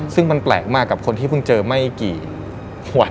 ซึ่งแปลกด้วยคนที่เจอมากกว่ากี่วัน